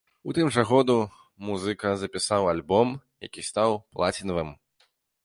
У тым жа году музыка запісаў альбом, які стаў плацінавым.